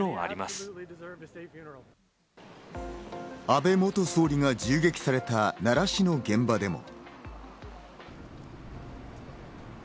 安倍元総理が銃撃された奈良市の現場でも。